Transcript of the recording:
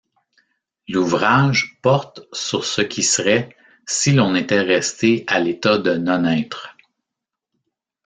L’ouvrage porte sur ce qui serait si l’on était resté à l'état de non-être.